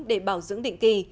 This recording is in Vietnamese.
để bảo dưỡng định kỳ